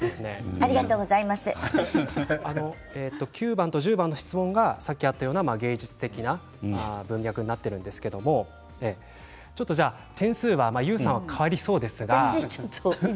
９番と１０番の質問が芸術的な文脈になっているんですけども点数はＹＯＵさんは変わりそうですが。